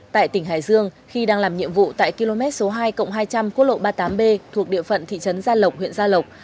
tại tỉnh hải dương khi đang làm nhiệm vụ tại km số hai hai trăm linh quốc lộ ba mươi tám b thuộc địa phận thị trấn gia lộc huyện gia lộc